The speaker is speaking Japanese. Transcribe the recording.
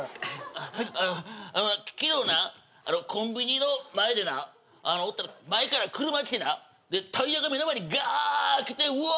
あっ昨日なコンビニの前でなおったら前から車来てなでタイヤが目の前にガーッ来てうわ